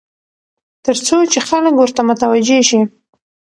تر څو چې خلک ورته متوجع شي.